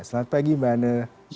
selamat pagi mbak anne